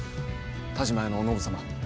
田嶋屋のお信様。